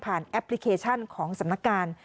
ผ่านแอปพลิเคชันของสำนักการณ์